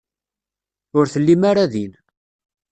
Ur tellim ara din.